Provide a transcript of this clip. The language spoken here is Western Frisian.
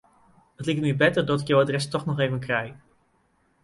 It liket my better dat ik jo adres dochs even krij.